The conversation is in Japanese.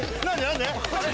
何で？